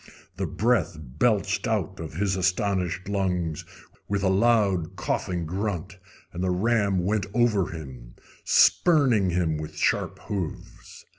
The breath belched out of his astonished lungs with a loud, coughing grunt, and the ram went over him, spurning him with sharp hoofs.